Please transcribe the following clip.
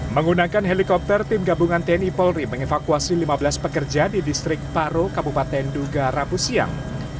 menggunakan helikopter tim gabungan tni polri mengevakuasi lima belas pekerja di distrik paro kabupaten duga rabu siang